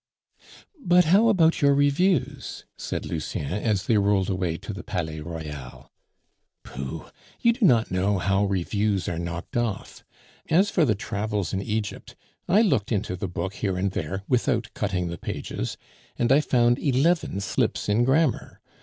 "But how about your reviews?" said Lucien, as they rolled away to the Palais Royal. "Pooh! you do not know how reviews are knocked off. As for the Travels in Egypt, I looked into the book here and there (without cutting the pages), and I found eleven slips in grammar.